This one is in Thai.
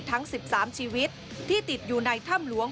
ทั้ง๑๓ชีวิตที่ติดอยู่ในถ้ำหลวง